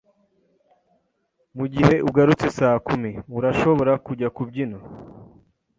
Mugihe ugarutse saa kumi, urashobora kujya kubyina.